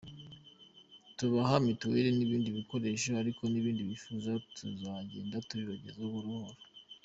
Tubaha mitiweri n’ibindi bikoresho ariko n’ibindi bifuza tuzagenda tubibagezaho buhorobuhoro”.